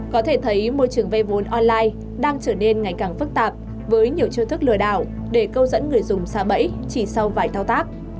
có thể thấy môi trường vay vốn online đang trở nên ngày càng phức tạp với nhiều chiêu thức lừa đảo để câu dẫn người dùng xa bẫy chỉ sau vài thao tác